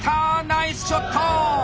ナイスショット！